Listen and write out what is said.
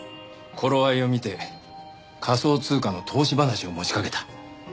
頃合いを見て仮想通貨の投資話を持ちかけた。